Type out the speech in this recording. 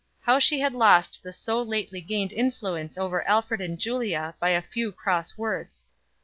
How she had lost the so lately gained influence over Alfred and Julia by a few cross words!